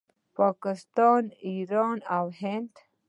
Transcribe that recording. پاکستان، ایران او هند